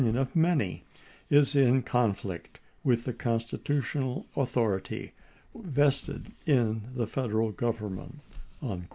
ion of many, is in conflict with the constitutional authority vested in the Federal Government."